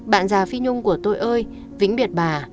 bạn già phi nhung của tôi ơi vĩnh biệt bà